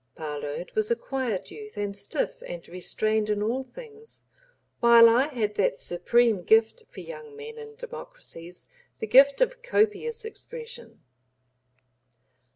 Parload was a quiet youth, and stiff and restrained in all things, while I had that supreme gift for young men and democracies, the gift of copious expression.